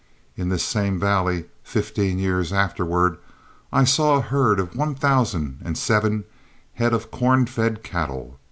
In this same valley, fifteen years afterward, I saw a herd of one thousand and seven head of corn fed cattle.